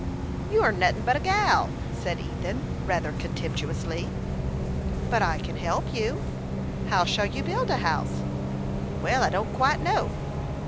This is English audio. "You are nothin' but a gal," said Ethan, rather contemptuously. "But I can help you. How shall you build a house?" "Well, I don't quite know."